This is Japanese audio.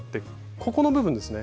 ここの部分ですね。